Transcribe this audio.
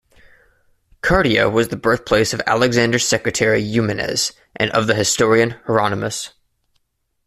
Cardia was the birthplace of Alexander's secretary Eumenes and of the historian Hieronymus.